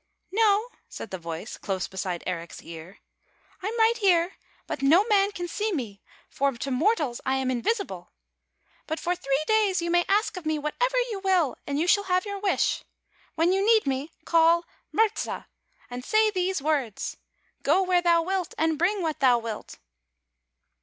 "" No," said the voice, close beside Eric's ear, " I am right here; but no man can see me, for to mortals I am invisible. But for three days you may ask of me whatever you will, and you shall have your wish. When you need me, call ' Murza,' and say these words :' Go where thou wilt, and bring what thou wilt.